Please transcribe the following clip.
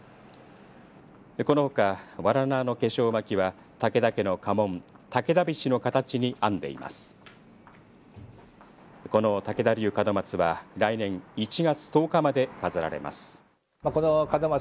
このほか、わら縄の化粧巻きは武田家の家紋武田菱の形に編んでいます。